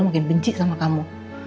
makin benci sama kamu